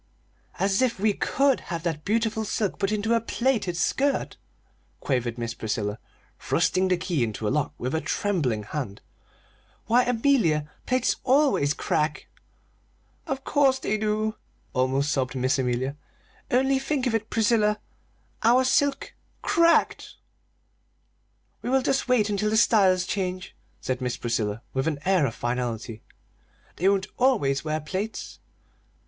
"As if we could have that beautiful silk put into a plaited skirt!" quavered Miss Priscilla, thrusting the key into the lock with a trembling hand. "Why, Amelia, plaits always crack!" "Of course they do!" almost sobbed Miss Amelia. "Only think of it, Priscilla, our silk cracked!" "We will just wait until the styles change," said Miss Priscilla, with an air of finality. "They won't always wear plaits!"